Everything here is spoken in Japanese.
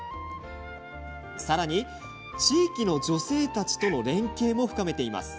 さらに地域の女性たちとの連携も深めています。